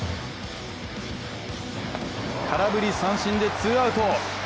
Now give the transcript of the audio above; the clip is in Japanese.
空振り三振でツーアウト。